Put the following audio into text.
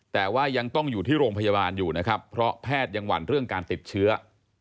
แต่ว่ายังต้องอยู่ที่โรงพยาบาลอยู่นะครับเพราะแพทย์ยังหวั่นเรื่องการติดเชื้อ